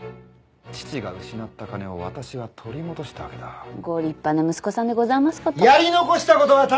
父が失った金を私は取り戻したわけだ。ご立派な息子さんでございますこと。